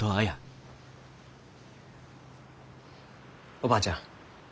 おばあちゃん